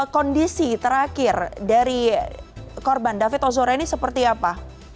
kondisi terakhir dari korban david ozora ini seperti apa